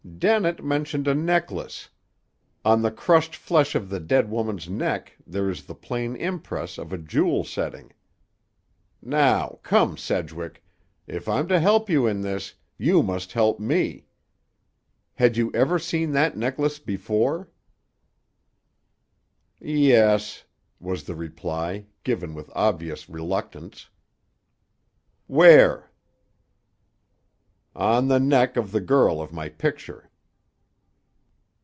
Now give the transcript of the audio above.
"Dennett mentioned a necklace. On the crushed flesh of the dead woman's neck there is the plain impress of a jewel setting. Now, come, Sedgwick! If I'm to help you in this, you must help me. Had you ever seen that necklace before?" "Yes," was the reply, given with obvious reluctance. "Where?" "On the neck of the girl of my picture."